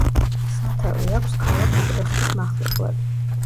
სათავე აქვს ქალაქ უტრეხტის მახლობლად.